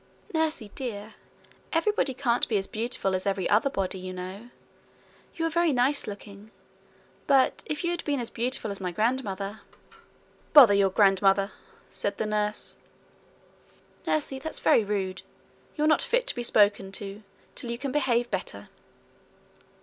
'Nursie, dear, everybody can't be as beautiful as every other body, you know. You are very nice looking, but if you had been as beautiful as my grandmother ' 'Bother your grandmother!' said the nurse. 'Nurse, that's very rude. You are not fit to be spoken to till you can behave better.'